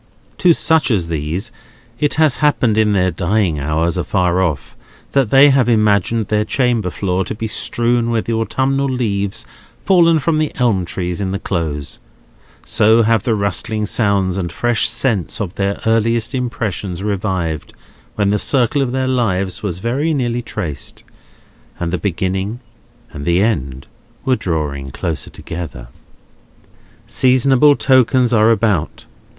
To such as these, it has happened in their dying hours afar off, that they have imagined their chamber floor to be strewn with the autumnal leaves fallen from the elm trees in the Close: so have the rustling sounds and fresh scents of their earliest impressions revived when the circle of their lives was very nearly traced, and the beginning and the end were drawing close together. Seasonable tokens are about.